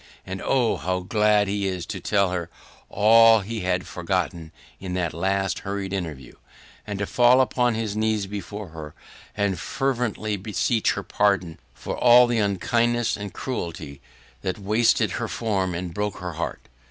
And oh! how glad he is to tell her all he had forgotten in that last hurried interview, and to fall on his knees before her and fervently beseech her pardon for all the unkindness and cruelty that wasted her form and broke her heart!